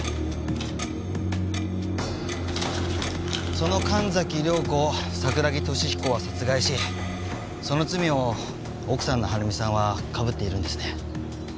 その神崎涼子を桜木敏彦は殺害しその罪を奥さんの春美さんはかぶっているんですね。